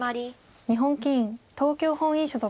日本棋院東京本院所属。